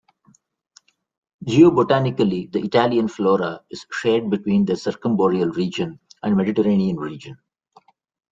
Geobotanically, the Italian flora is shared between the Circumboreal Region and Mediterranean Region.